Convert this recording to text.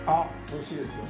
おいしいですよ。